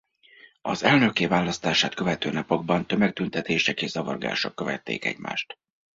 Az elnökké választását követő napokban tömegtüntetések és zavargások követték egymást.